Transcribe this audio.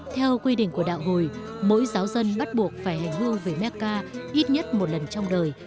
theo quy định của đạo hồi mỗi giáo dân bắt buộc phải hành hương về mecca ít nhất một lần trong đời